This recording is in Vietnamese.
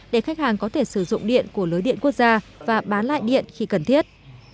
để khách hàng có thể sử dụng điện của lưới điện quốc gia và bán lại điện khi cần thiết